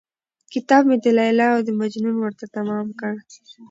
كتاب مې د ليلا او د مـجنون ورته تمام كړ.